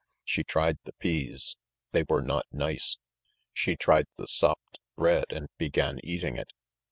She tried the peas; they were not nice; she tried the sopped bread and began eating it.